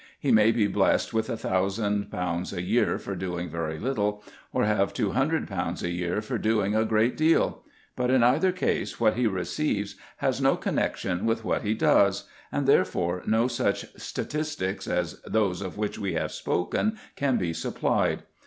He may be blessed with 1,000_l._ a year for doing very little, or have 200_l._ a year for doing a great deal; but in either case what he receives has no connection with what he does, and therefore no such statistics as those of which we have spoken can be supplied.